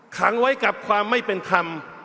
ขังไว้กับความไม่เป็นธรรม